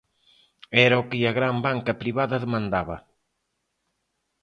E era o que a gran banca privada demandaba.